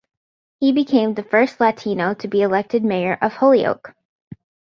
He became the first Latino to be elected mayor of Holyoke.